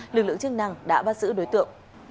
lực lượng chức năng đã bắt giữ đối tượng